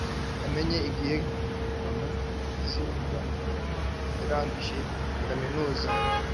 Namenye igihe kazitunga yarangije kaminuza